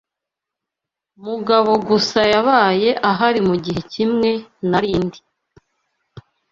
Mugabo gusa yabaye ahari mugihe kimwe nari ndi.